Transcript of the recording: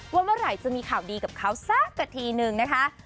ว่าเมื่อไหร่จะมีข่าวดีกับเขาสักกะทีนึงนะคะ